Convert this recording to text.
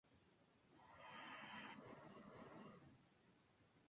Parece que los mecanismos de variación son diferentes en ambos tipos.